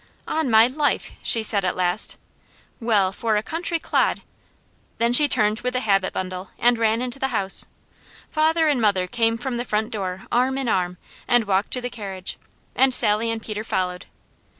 "On my life!" she said at last. "Well for a country clod !" Then she turned with the habit bundle, and ran into the house. Father and mother came from the front door arm in arm and walked to the carriage, and Sally and Peter followed.